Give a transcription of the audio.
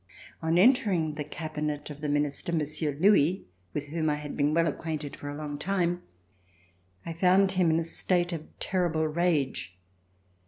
On entering the cabinet of the Minister, Monsieur Louis, with whom I had been well acquainted for a long time, I found him in a state of terrible rage.